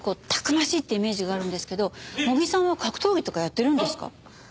たくましいってイメージがあるんですけど茂木さんは格闘技とかやってるんですか？